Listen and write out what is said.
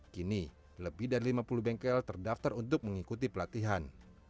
kini lebih dari lima puluh bengkel terdaftar untuk mengikuti pelatihan